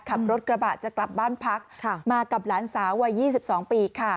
ขับรถกระบะจะกลับบ้านพักมากับหลานสาววัย๒๒ปี